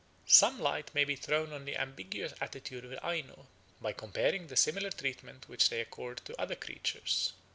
Some light may be thrown on the ambiguous attitude of the Aino to bears by comparing the similar treatment which they accord to other creatures.